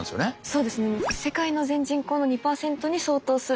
そうですよね。